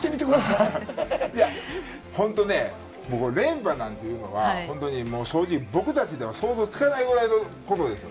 本当ね、僕、連覇なんていうのは、本当にもう、正直、僕たちでは想像つかないぐらいのことですよ。